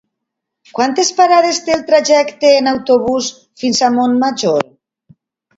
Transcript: Quantes parades té el trajecte en autobús fins a Montmajor?